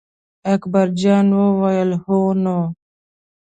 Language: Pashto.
اکبر جان وویل: هو نو.